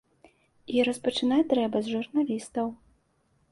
І распачынаць трэба з журналістаў.